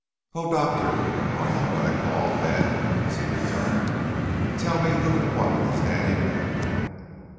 "Oh, Doctor, one moment!" I called; then, as he returned. "Tell me, who and what is Danny Randall?"